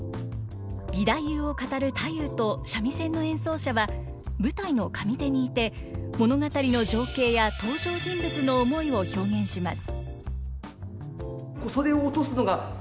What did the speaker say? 義太夫を語る太夫と三味線の演奏者は舞台の上手にいて物語の情景や登場人物の思いを表現します。